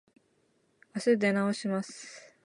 あす出直します。